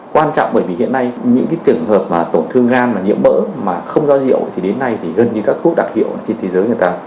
quan trọng bởi vì hiện nay những trường hợp mà tổn thương gan là nhiễm mỡ mà không do rượu thì đến nay thì gần như các thuốc đặc hiệu trên thế giới người ta